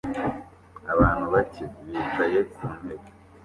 Abantu bake bicaye ku ntebe